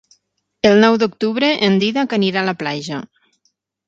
El nou d'octubre en Dídac anirà a la platja.